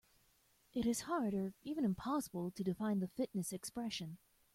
It is hard or even impossible to define the fitness expression.